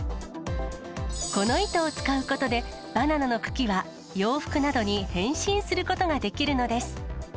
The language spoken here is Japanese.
この糸を使うことで、バナナの茎は洋服などに変身することができるのです。